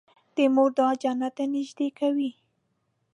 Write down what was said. د مور دعا جنت ته نږدې کوي.